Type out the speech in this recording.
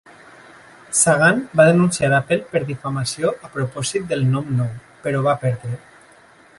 Sagan va denunciar Apple per difamació a propòsit del nom nou, però va perdre.